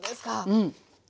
うん。